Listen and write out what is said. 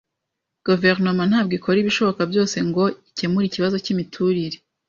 Guverinoma ntabwo ikora ibishoboka byose ngo ikemure ikibazo cyimiturire.